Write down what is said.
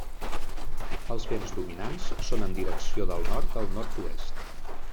Els vents dominants són en direcció del nord al nord-oest.